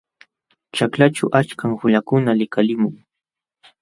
Ćhaklaćhu achkam qulakuna likalilqamun.